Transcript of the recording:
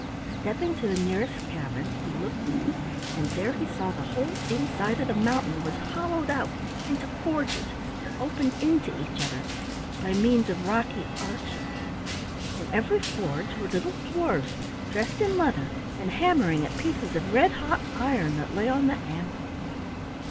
Stepping to the nearest cavern he looked in, and there he saw the whole inside of the mountain was hollowed out into forges that opened into each other be means of rocky arches. In every forge were little dwarfs dressed in leather and hammering at pieces of red hot iron that lay on the anvils.